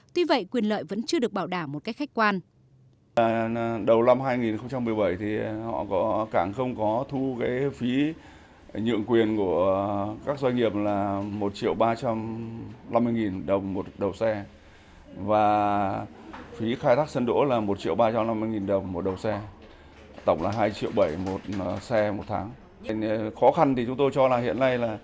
tuy vậy quyền lợi vẫn chưa được bảo đảm một cách khách quan